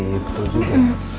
ya betul juga